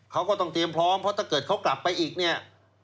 เขาก็ต้องเตรียมพร้อมเพราะถ้าเกิดเขากลับไปอีกเนี่ย